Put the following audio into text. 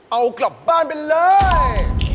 เอากลับบ้านไปเลย